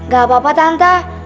gak apa apa tante